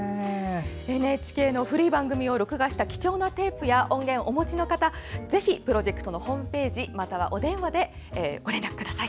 ＮＨＫの古い番組を録画した貴重なテープや音源をお持ちの方はぜひプロジェクトのホームページまたはお電話でご連絡ください。